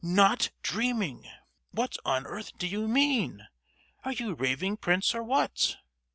Not dreaming! What on earth do you mean? Are you raving, Prince, or what?"